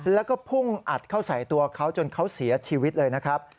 แล้วก็พุ่งอัดเข้าใส่ตัวเขาจนเขาเสียชีวิตเลยนะครับ